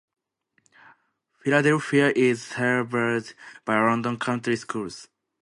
Philadelphia is served by Loudon County Schools.